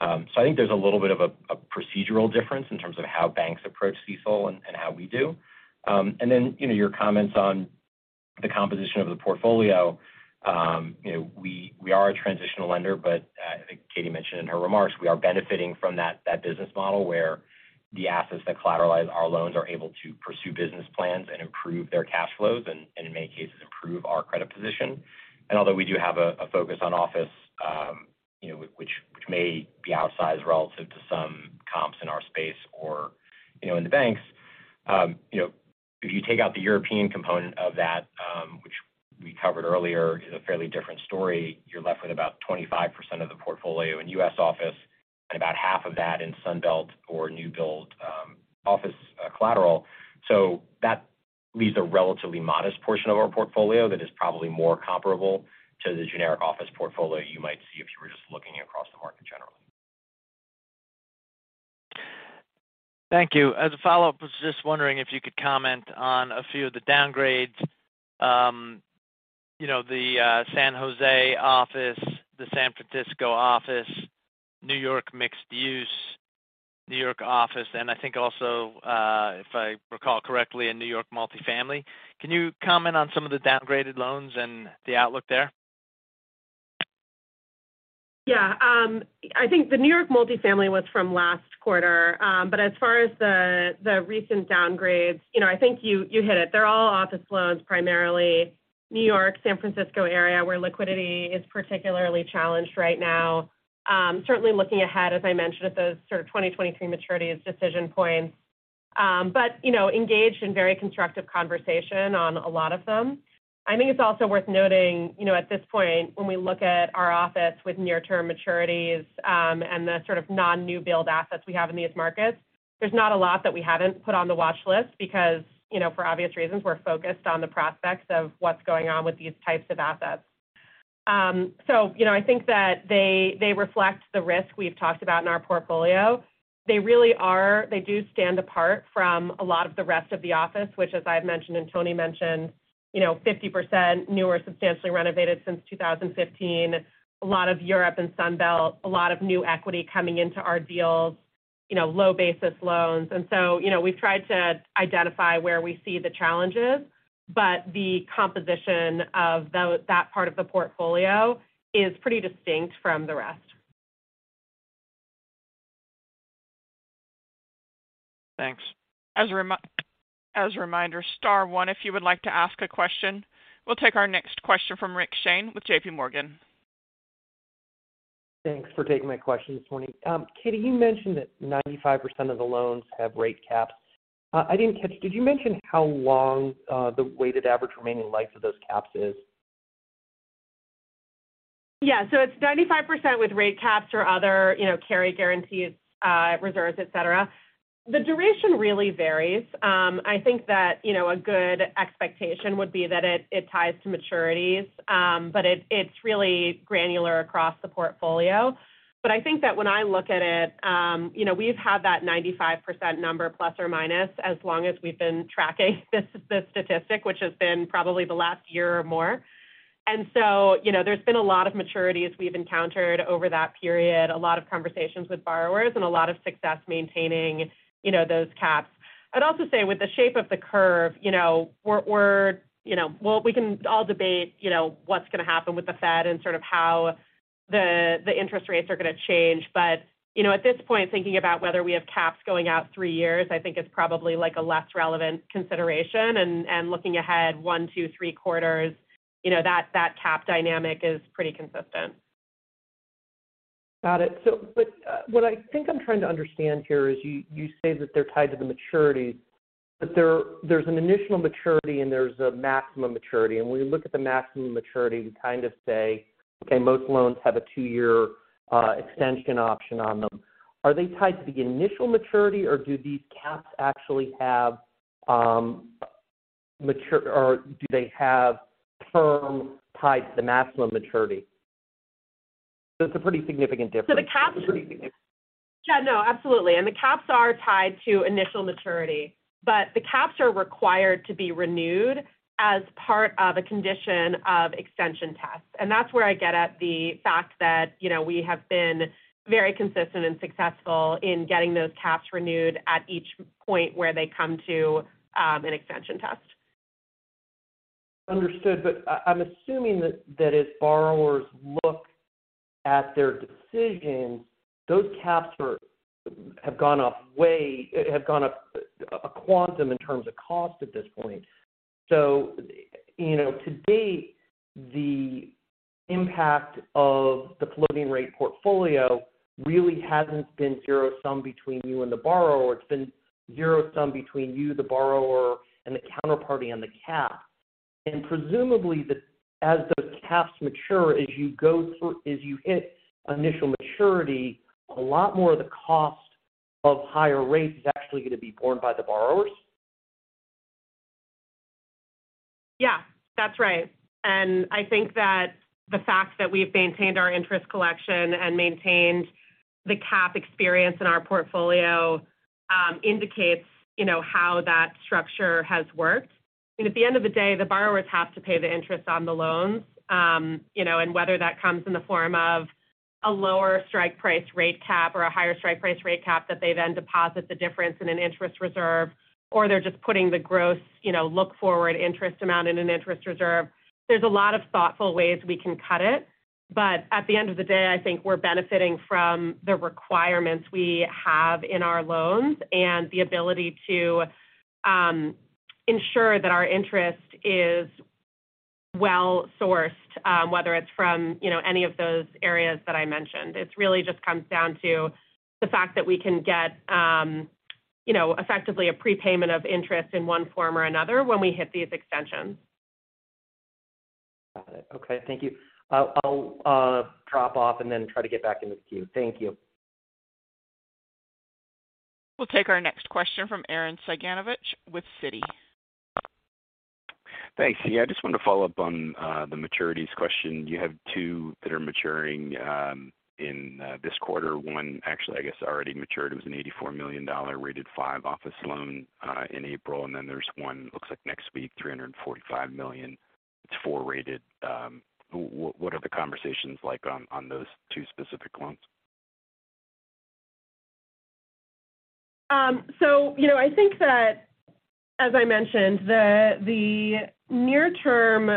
So I think there's a little bit of a procedural difference in terms of how banks approach CECL and how we do. Then, you know, your comments on the composition of the portfolio, you know, we are a transitional lender, but I think Katie mentioned in her remarks we are benefiting from that business model where the assets that collateralize our loans are able to pursue business plans and improve their cash flows and in many cases improve our credit position. Although we do have a focus on office, you know, which may be outsized relative to some comps in our space or, you know, in the banks, you know, if you take out the European component of that, which we covered earlier is a fairly different story, you're left with about 25% of the portfolio in U.S. office and about half of that in Sun Belt or new build office collateral. That leaves a relatively modest portion of our portfolio that is probably more comparable to the generic office portfolio you might see if you were just looking across the market generally. Thank you. As a follow-up, I was just wondering if you could comment on a few of the downgrades, you know, the San Jose office, the San Francisco office, New York mixed use, New York office, and I think also, if I recall correctly, a New York multifamily. Can you comment on some of the downgraded loans and the outlook there? Yeah. I think the New York multifamily was from last quarter. As far as the recent downgrades, you know, I think you hit it. They're all office loans, primarily New York, San Francisco area, where liquidity is particularly challenged right now. Certainly looking ahead, as I mentioned at those sort of 2023 maturities decision points. You know, engaged in very constructive conversation on a lot of them. I think it's also worth noting, you know, at this point, when we look at our office with near-term maturities, and the sort of non-new build assets we have in these markets, there's not a lot that we haven't put on the watch list because, you know, for obvious reasons, we're focused on the prospects of what's going on with these types of assets. You know, I think that they reflect the risk we've talked about in our portfolio. They really are. They do stand apart from a lot of the rest of the office, which as I've mentioned and Tony mentioned, you know, 50% new or substantially renovated since 2015. A lot of Europe and Sun Belt, a lot of new equity coming into our deals, you know, low basis loans. You know, we've tried to identify where we see the challenges, but the composition of that part of the portfolio is pretty distinct from the rest. Thanks. As a reminder, star one if you would like to ask a question. We'll take our next question from Richard Shane with JP Morgan. Thanks for taking my question this morning. Katie, you mentioned that 95% of the loans have rate caps. I didn't catch, did you mention how long, the weighted average remaining life of those caps is? Yeah. It's 95% with rate caps or other, you know, carry guarantees, reserves, et cetera. The duration really varies. I think that, you know, a good expectation would be that it ties to maturities, but it's really granular across the portfolio. I think that when I look at it, you know, we've had that 95% number plus or minus as long as we've been tracking this statistic, which has been probably the last year or more. You know, there's been a lot of maturities we've encountered over that period, a lot of conversations with borrowers and a lot of success maintaining, you know, those caps. I'd also say with the shape of the curve, you know, we're, you know, well, we can all debate, you know, what's gonna happen with the Fed and sort of how the interest rates are gonna change. At this point, thinking about whether we have caps going out three years, I think is probably like a less relevant consideration. Looking ahead one, two, three quarters, you know, that cap dynamic is pretty consistent. Got it. What I think I'm trying to understand here is you say that they're tied to the maturity, there's an initial maturity, and there's a maximum maturity. When you look at the maximum maturity, you kind of say, "Okay, most loans have a two-year extension option on them." Are they tied to the initial maturity, or do these caps actually have or do they have term tied to the maximum maturity? It's a pretty significant difference. Yeah, no, absolutely. The caps are tied to initial maturity, but the caps are required to be renewed as part of a condition of extension tests. That's where I get at the fact that, you know, we have been very consistent and successful in getting those caps renewed at each point where they come to an extension test. Understood. I'm assuming that as borrowers look at their decisions, those caps have gone up a quantum in terms of cost at this point. You know, to date, the impact of the floating rate portfolio really hasn't been zero-sum between you and the borrower. It's been zero-sum between you, the borrower, and the counterparty on the cap. Presumably as the caps mature, as you hit initial maturity, a lot more of the cost of higher rates is actually gonna be borne by the borrowers. Yeah, that's right. I think that the fact that we've maintained our interest collection and maintained the cap experience in our portfolio indicates, you know, how that structure has worked. At the end of the day, the borrowers have to pay the interest on the loans. You know, whether that comes in the form of a lower strike price rate cap or a higher strike price rate cap that they then deposit the difference in an interest reserve, or they're just putting the gross, you know, look-forward interest amount in an interest reserve. There's a lot of thoughtful ways we can cut it, but at the end of the day, I think we're benefiting from the requirements we have in our loans and the ability to ensure that our interest is well-sourced, whether it's from, you know, any of those areas that I mentioned. It really just comes down to the fact that we can get, you know, effectively a prepayment of interest in one form or another when we hit these extensions. Got it. Okay. Thank you. I'll drop off and then try to get back into the queue. Thank you. We'll take our next question from Arren Cyganovich with Citi. Thanks. Yeah, I just wanted to follow up on the maturities question. You have two that are maturing in this quarter. One actually I guess already matured. It was an $84 million rated five office loan in April, and then there's one, looks like next week, $345 million. It's four-rated. What are the conversations like on those two specific loans? You know, I think that, as I mentioned, the near term,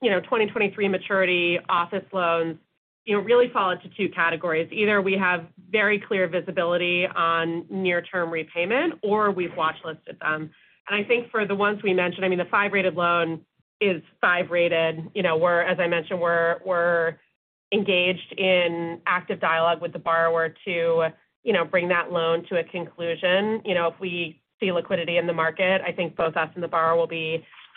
you know, 2023 maturity office loans, you know, really fall into two categories. Either we have very clear visibility on near term repayment or we've watchlisted them. I think for the ones we mentioned, I mean the five-rated loan is five-rated. You know, as I mentioned, we're engaged in active dialogue with the borrower to, you know, bring that loan to a conclusion. You know, if we see liquidity in the market, I think both us and the borrower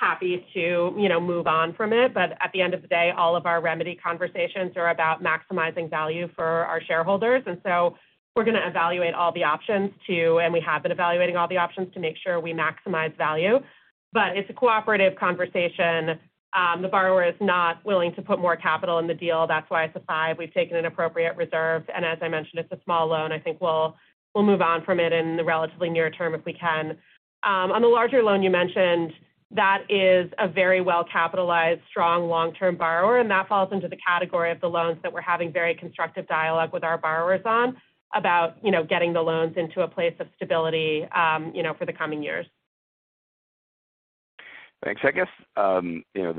will be happy to, you know, move on from it. At the end of the day, all of our remedy conversations are about maximizing value for our shareholders. We have been evaluating all the options to make sure we maximize value. It's a cooperative conversation. The borrower is not willing to put more capital in the deal. That's why it's a five. We've taken an appropriate reserve, and as I mentioned, it's a small loan. I think we'll move on from it in the relatively near term if we can. On the larger loan you mentioned, that is a very well-capitalized, strong long-term borrower, and that falls into the category of the loans that we're having very constructive dialogue with our borrowers on about, you know, getting the loans into a place of stability, you know, for the coming years. Thanks. I guess, you know,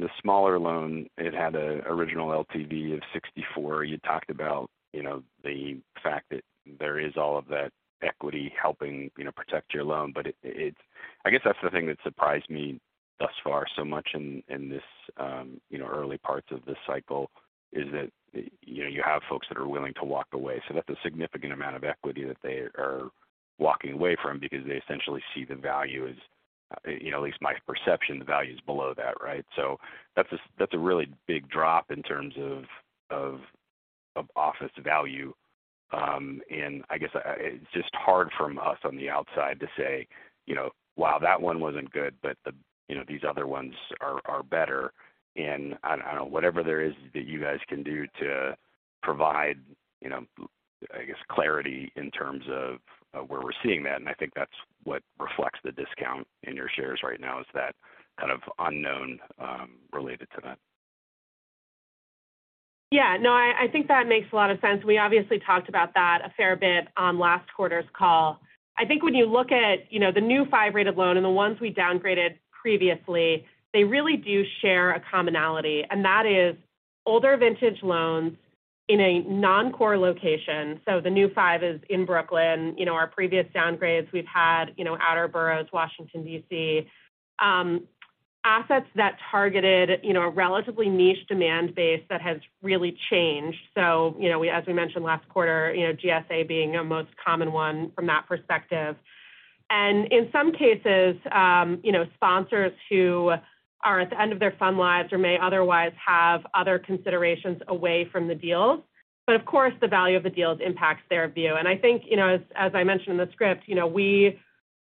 the smaller loan, it had a original LTV of 64. You talked about, you know, the fact that there is all of that equity helping, you know, protect your loan. I guess that's the thing that surprised me thus far so much in this, you know, early parts of this cycle, is that, you know, you have folks that are willing to walk away. That's a significant amount of equity that they are walking away from because they essentially see the value as, you know, at least my perception, the value's below that, right? That's a, that's a really big drop in terms of, of office value. I guess, it's just hard from us on the outside to say, you know, "Wow, that one wasn't good, but the, you know, these other ones are better." I don't know, whatever there is that you guys can do to provide, you know, I guess, clarity in terms of where we're seeing that, and I think that's what reflects the discount in your shares right now, is that kind of unknown related to that. Yeah. No, I think that makes a lot of sense. We obviously talked about that a fair bit on last quarter's call. I think when you look at, you know, the new five-rated loan and the ones we downgraded previously, they really do share a commonality, and that is older vintage loans in a non-core location. The new five is in Brooklyn. You know, our previous downgrades we've had, you know, outer boroughs, Washington, D.C. Assets that targeted, you know, a relatively niche demand base that has really changed. You know, as we mentioned last quarter, you know, GSA being a most common one from that perspective. In some cases, you know, sponsors who are at the end of their fund lives or may otherwise have other considerations away from the deals. Of course, the value of the deals impacts their view. I think, you know, as I mentioned in the script, you know, we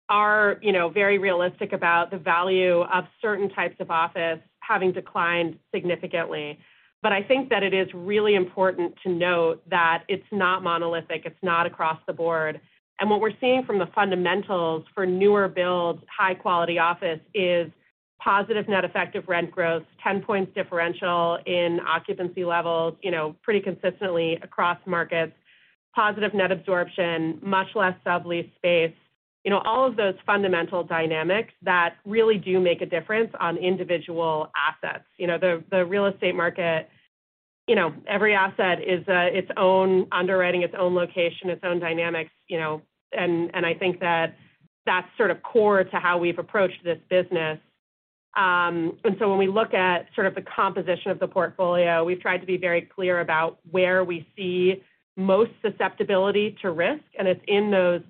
are, you know, very realistic about the value of certain types of office having declined significantly. I think that it is really important to note that it's not monolithic, it's not across the board. What we're seeing from the fundamentals for newer builds, high-quality office is positive net effective rent growth, 10 points differential in occupancy levels, you know, pretty consistently across markets, positive net absorption, much less subleased space. You know, all of those fundamental dynamics that really do make a difference on individual assets. You know, the real estate market, you know, every asset is its own underwriting, its own location, its own dynamics, you know, I think that that's sort of core to how we've approached this business. When we look at sort of the composition of the portfolio, we've tried to be very clear about where we see most susceptibility to risk, and it's in those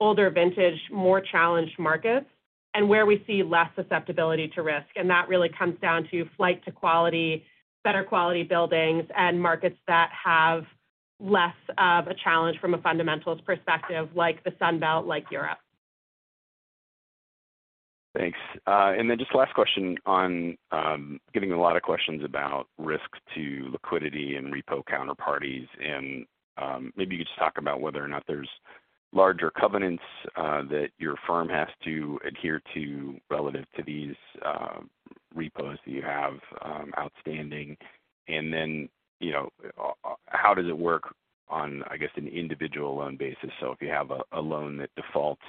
older vintage, more challenged markets, and where we see less susceptibility to risk. That really comes down to flight to quality, better quality buildings, and markets that have less of a challenge from a fundamentals perspective, like the Sun Belt, like Europe. Thanks. Just last question on getting a lot of questions about risk to liquidity and repo counterparties. Maybe you could just talk about whether or not there's larger covenants that your firm has to adhere to relative to these repos that you have outstanding. You know, how does it work on, I guess, an individual loan basis? If you have a loan that defaults,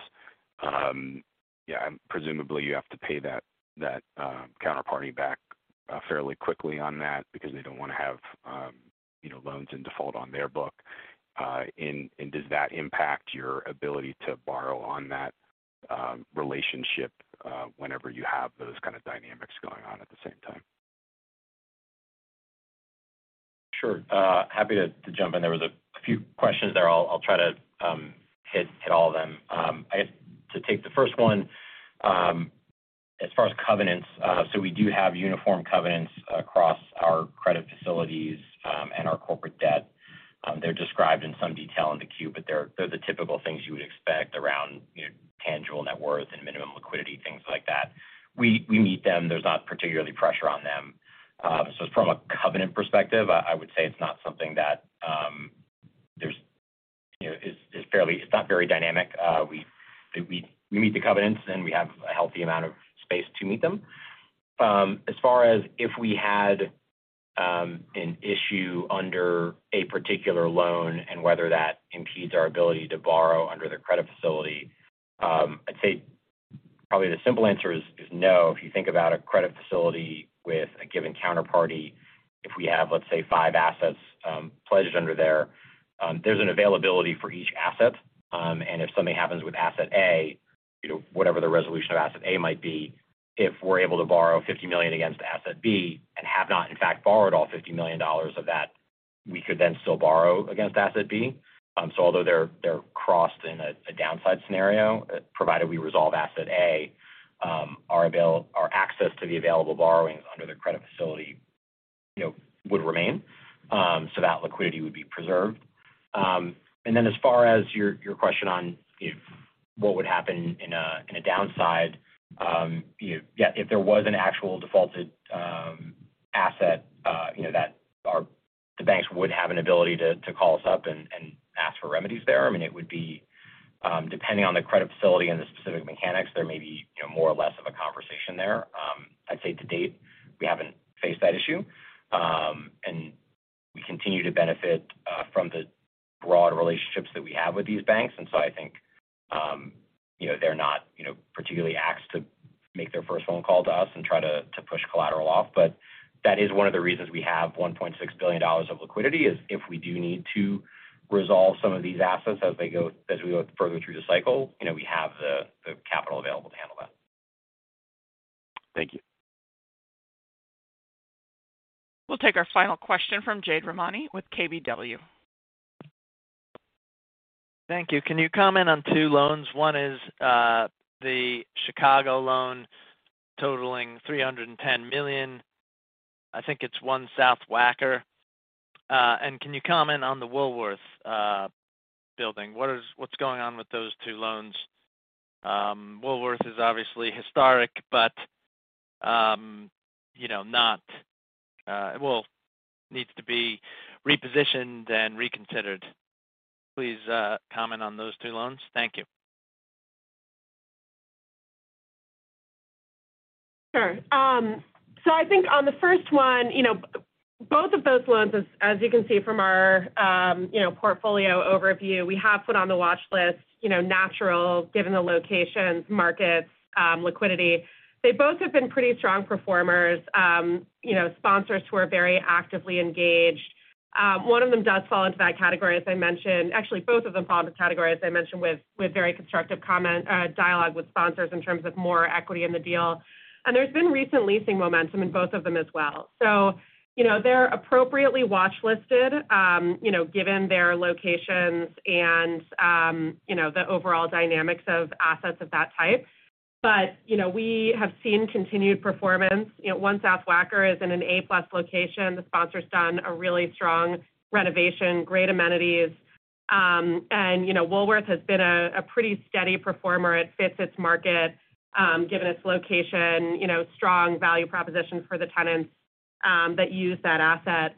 yeah, presumably you have to pay that counterparty back fairly quickly on that because they don't wanna have, you know, loans in default on their book. And does that impact your ability to borrow on that relationship whenever you have those kind of dynamics going on at the same time? Sure. happy to jump in. There was a few questions there. I'll try to hit all of them. I guess to take the first one, as far as covenants, We do have uniform covenants across our credit facilities and our corporate debt. They're described in some detail in the Q, but they're the typical things you would expect around, you know, tangible net worth and minimum liquidity, things like that. We meet them. There's not particularly pressure on them. From a covenant perspective, I would say it's not something that, there's, you know, it's not very dynamic. We meet the covenants, and we have a healthy amount of space to meet them. As far as if we had an issue under a particular loan and whether that impedes our ability to borrow under the credit facility, I'd say probably the simple answer is no. If you think about a credit facility with a given counterparty, if we have, let's say, five assets pledged under there's an availability for each asset. If something happens with asset A, you know, whatever the resolution of asset A might be, if we're able to borrow $50 million against asset B and have not, in fact, borrowed all $50 million of that, we could then still borrow against asset B. Although they're crossed in a downside scenario, provided we resolve asset A, our access to the available borrowings under the credit facility, you know, would remain. That liquidity would be preserved. As far as your question on what would happen in a downside, yeah, if there was an actual defaulted asset, you know, that the banks would have an ability to call us up and ask for remedies there. I mean, it would be, depending on the credit facility and the specific mechanics, there may be, you know, more or less of a conversation there. I'd say to date, we haven't faced that issue. We continue to benefit from the broad relationships that we have with these banks. I think, you know, they're not, you know, particularly axed to make their first phone call to us and try to push collateral off. That is one of the reasons we have $1.6 billion of liquidity, is if we do need to resolve some of these assets as we go further through the cycle, you know, we have the capital available to handle that. Thank you. We'll take our final question from Jade Rahmani with KBW. Thank you. Can you comment on two loans? One is, the Chicago loan totaling $310 million. I think it's One South Wacker. Can you comment on the Woolworth Building? What's going on with those two loans? Woolworth is obviously historic, but, you know, not, well, needs to be repositioned and reconsidered. Please, comment on those two loans. Thank you. Sure. I think on the first one, you know, both of those loans, as you can see from our, you know, portfolio overview, we have put on the watch list, you know, natural, given the locations, markets, liquidity. They both have been pretty strong performers. You know, sponsors who are very actively engaged. One of them does fall into that category, as I mentioned. Actually, both of them fall in the category, as I mentioned, with very constructive dialogue with sponsors in terms of more equity in the deal. There's been recent leasing momentum in both of them as well. You know, they're appropriately watchlisted, you know, given their locations and, you know, the overall dynamics of assets of that type. You know, we have seen continued performance. You know, One South Wacker is in an A-plus location. The sponsor's done a really strong renovation, great amenities. You know, Woolworth has been a pretty steady performer. It fits its market, given its location, you know, strong value proposition for the tenants that use that asset.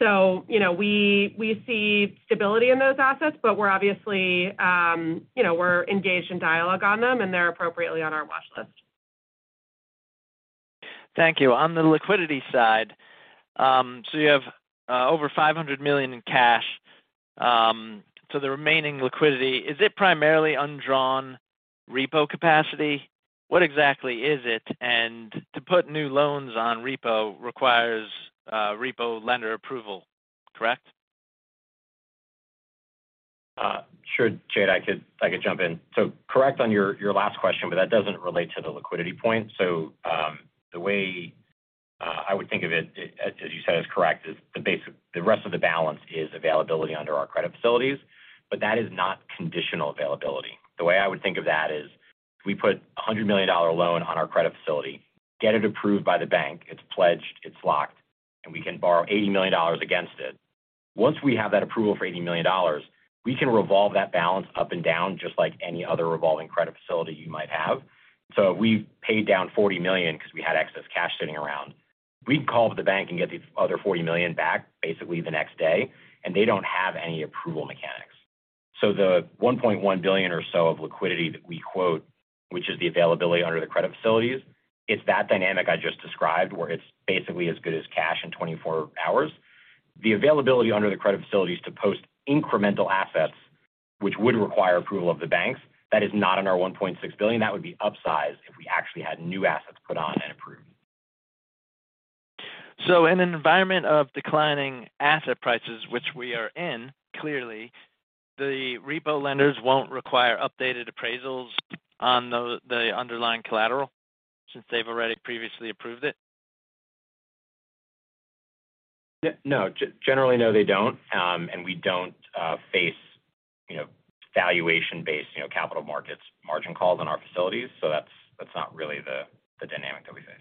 You know, we see stability in those assets, but we're obviously, you know, we're engaged in dialogue on them, and they're appropriately on our watchlist. Thank you. On the liquidity side, you have over $500 million in cash. The remaining liquidity, is it primarily undrawn repo capacity? What exactly is it? To put new loans on repo requires repo lender approval, correct? Sure, Jade, I could jump in. Correct on your last question. That doesn't relate to the liquidity point. The way I would think of it, as you said, is correct. The rest of the balance is availability under our credit facilities. That is not conditional availability. The way I would think of that is if we put a $100 million loan on our credit facility, get it approved by the bank, it's pledged, it's locked, and we can borrow $80 million against it. Once we have that approval for $80 million, we can revolve that balance up and down just like any other revolving credit facility you might have. If we paid down $40 million because we had excess cash sitting around, we'd call up the bank and get the other $40 million back basically the next day, and they don't have any approval mechanics. The $1.1 billion or so of liquidity that we quote, which is the availability under the credit facilities, it's that dynamic I just described where it's basically as good as cash in 24 hours. The availability under the credit facilities to post incremental assets, which would require approval of the banks, that is not in our $1.6 billion. That would be upsized if we actually had new assets put on and approved. In an environment of declining asset prices, which we are in, clearly, the repo lenders won't require updated appraisals on the underlying collateral since they've already previously approved it. No. Generally, no, they don't. We don't face, you know, valuation-based, you know, capital markets margin calls on our facilities, so that's not really the dynamic that we face.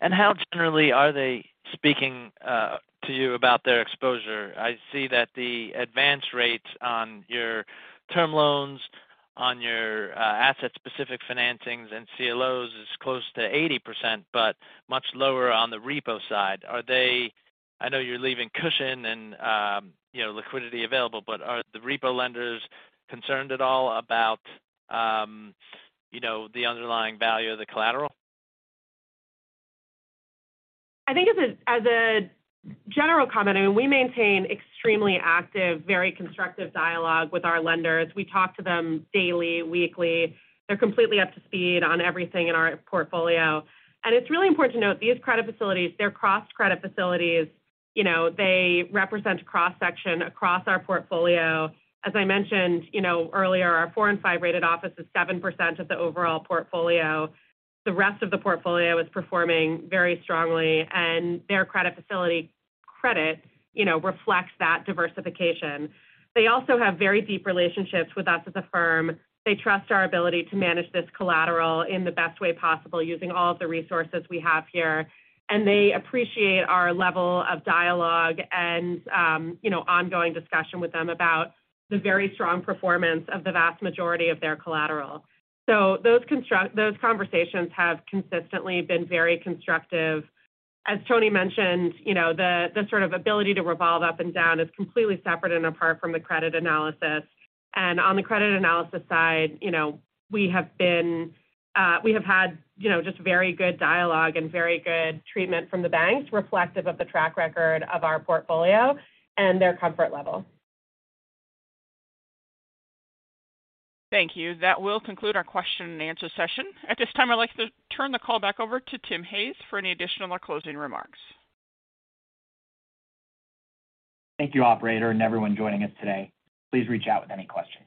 How generally are they speaking to you about their exposure? I see that the advance rates on your term loans, on your asset-specific financings and CLOs is close to 80%, but much lower on the repo side. I know you're leaving cushion and, you know, liquidity available, but are the repo lenders concerned at all about, you know, the underlying value of the collateral? I think as a, as a general comment, I mean, we maintain extremely active, very constructive dialogue with our lenders. We talk to them daily, weekly. They're completely up to speed on everything in our portfolio. It's really important to note these credit facilities, they're cross-credit facilities. You know, they represent a cross-section across our portfolio. As I mentioned, you know, earlier, our four and five rated office is 7% of the overall portfolio. The rest of the portfolio is performing very strongly, and their credit facility credit, you know, reflects that diversification. They also have very deep relationships with us as a firm. They trust our ability to manage this collateral in the best way possible using all of the resources we have here. They appreciate our level of dialogue and, you know, ongoing discussion with them about the very strong performance of the vast majority of their collateral. Those conversations have consistently been very constructive. As Tony mentioned, you know, the sort of ability to revolve up and down is completely separate and apart from the credit analysis. On the credit analysis side, you know, we have been, we have had, you know, just very good dialogue and very good treatment from the banks reflective of the track record of our portfolio and their comfort level. Thank you. That will conclude our question and answer session. At this time, I'd like to turn the call back over to Tim Hayes for any additional or closing remarks. Thank you, operator, and everyone joining us today. Please reach out with any questions.